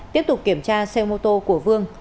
tiếp tục kiểm tra xe mô tô của vương